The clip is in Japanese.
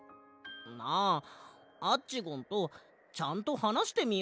なあアッチゴンとちゃんとはなしてみようぜ。